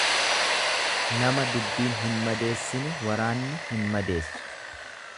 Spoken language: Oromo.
Nama dubbiin hin madeessine waraanni hin madeessu.